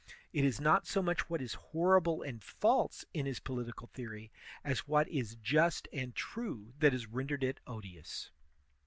It is not so much what is horrible and false in his political theory as what is just and true that has rendered it odious.